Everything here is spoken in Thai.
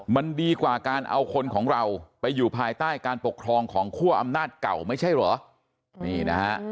มันดีกว่าการเอาคนของเราไปอยู่ภายใต้การปกครองของคั่วอำนาจเก่าไม่ใช่เหรอนี่นะฮะ